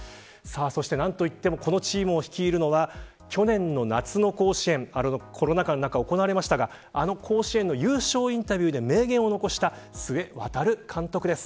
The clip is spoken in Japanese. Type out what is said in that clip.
そして何といってもこのチームを率いるのは去年の夏の甲子園コロナ禍の中、行われましたがあの甲子園の優勝インタビューで名言を残した須江航監督です。